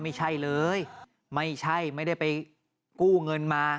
ไม่ใช่เลยไม่ใช่ไม่ได้ไปกู้เงินมา